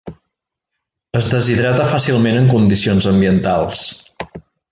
Es deshidrata fàcilment en condicions ambientals.